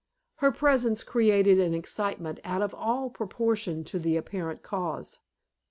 Her presence created an excitement out of all proportion to the apparent cause.